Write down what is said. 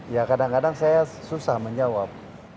ya kadang kadang saya susah menjawab